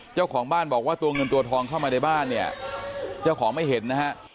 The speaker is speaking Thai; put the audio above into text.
เจ้าของบ้านบอกว่าตัวเงินตัวทองเข้ามาในบ้านเนี่ยเจ้าของไม่เห็นนะฮะ